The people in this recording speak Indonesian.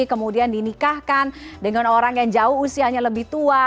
kemudian dinikahkan dengan orang yang jauh usianya lebih tua